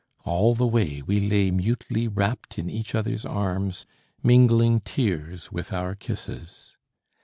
All the way we lay mutely wrapped in each other's arms, mingling tears with our kisses.